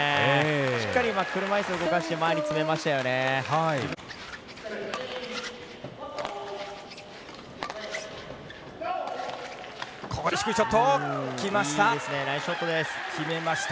しっかり車いすを動かして前に詰めました。